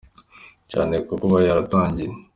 cyane ku kuba yaratangiye.